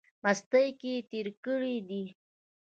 مستۍ کښې تېر کړی دی۔